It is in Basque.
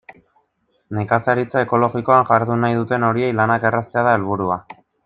Nekazaritza ekologikoan jardun nahi duten horiei lanak erraztea da helburua.